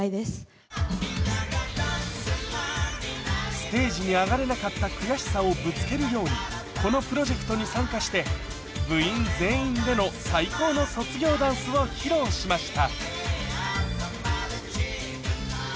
ステージに上がれなかった悔しさをぶつけるようにこのプロジェクトに参加して部員全員での最高の卒業ダンスを披露しました